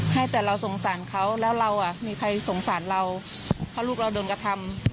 ให้แต่เราสงสารเขาแล้วเราอ่ะมีใครสงสารเราเพราะลูกเราโดนกระทำ